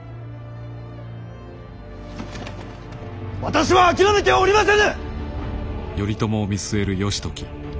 私は諦めてはおりませぬ！